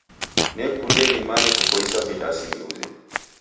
Nekunda nimanye kupoisa vidasi niuze.